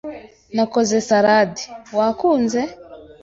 Nakoze salade. Wakunze?